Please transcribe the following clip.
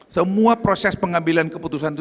semua proses pengambilan keputusan itu